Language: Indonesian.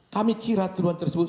kami kira turuan tersebut